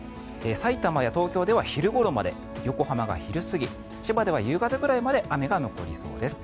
さいたまや東京では昼ごろまで横浜が昼過ぎ千葉では夕方ぐらいまで雨が残りそうです。